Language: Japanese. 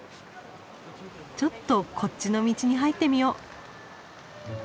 ちょっとこっちの道に入ってみよう。